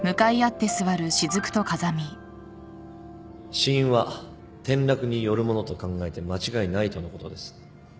死因は転落によるものと考えて間違いないとのことです。